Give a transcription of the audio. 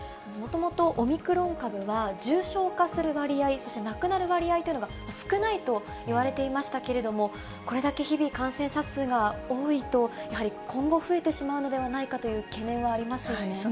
もともと、オミクロン株は、重症化する割合、そして亡くなる割合というのが少ないといわれていましたけれども、これだけ日々感染者数が多いと、やはり今後増えてしまうのではないかという懸念はありますよね。